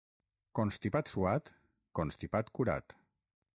Constipat suat, constipat curat.